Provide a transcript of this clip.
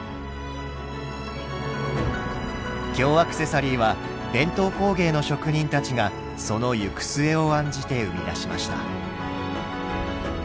京アクセサリーは伝統工芸の職人たちがその行く末を案じて生み出しました。